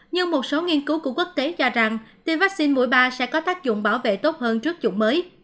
nhưng một số nghiên cứu của quốc tế cho rằng tiêm vaccine mũi ba sẽ có tác dụng bảo vệ tốt hơn trước chủng mới